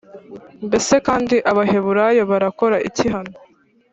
Mbese kandi Abaheburayo barakora iki hano